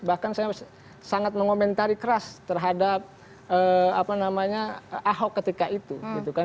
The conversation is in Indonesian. bahkan saya sangat mengomentari keras terhadap ahok ketika itu gitu kan